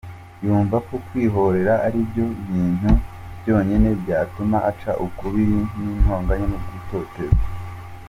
Yumva ko kwikorera aribyo bintu byonyine byatuma aca ukubiri n’intonganya no gutotezwa.